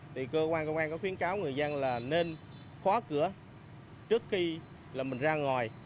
thì cơ quan công an có khuyến cáo người dân là nên khóa cửa trước khi là mình ra ngoài